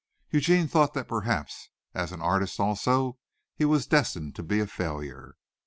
Eugene thought that perhaps as an artist also, he was destined to be a failure.